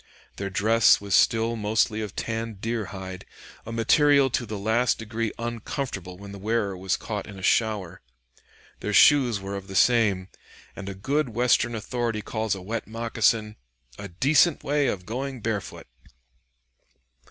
Their dress was still mostly of tanned deer hide, a material to the last degree uncomfortable when the wearer was caught in a shower. Their shoes were of the same, and a good Western authority calls a wet moccasin "a decent way of going barefoot."